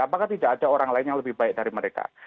apakah tidak ada orang lain yang lebih baik dari mereka